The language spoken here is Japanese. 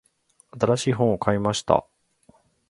新しい本を買いました。